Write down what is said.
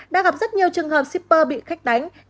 đã gặp rất nhiều trường hợp shipper bị khách đánh